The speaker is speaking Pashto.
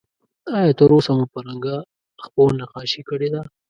آیا تر اوسه مو په رنګه خپو نقاشي کړې ده؟